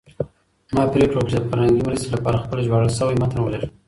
ما پرېکړه وکړه چې د فرهنګي مرستې لپاره خپل ژباړل شوی متن ولیږم.